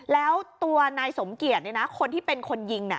แล้วตัวนายสมเกียรติเนี่ยนะคนที่เป็นคนยิงน่ะ